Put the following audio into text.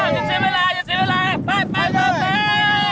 อย่าใช้เวลาไปไปด้วย